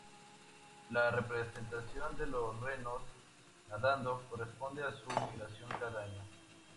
La representación de los renos nadando corresponde a su migración cada otoño.